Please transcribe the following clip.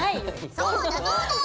そうだ！